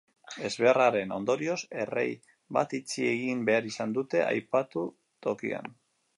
Ezbeharraren ondorioz, errei bat itxi egin behar izan dute aipatu tokian.